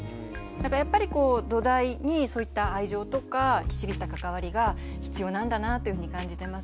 だからやっぱり土台にそういった愛情とかきっちりした関わりが必要なんだなぁっていうふうに感じてますのでまずはそこ。